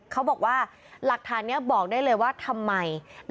เขาบอกว่าหลักฐานนี้บอกได้เลยว่าทำไม